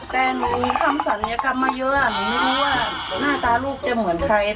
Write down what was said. แต่หนูทำศัลยกรรมมาเยอะหนูไม่รู้ว่าหน้าตาลูกจะเหมือนใคร